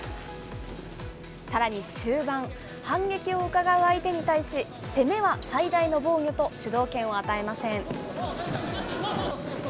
さらに終盤、反撃をうかがう相手に対し、攻めは最大の防御と主導権を与えません。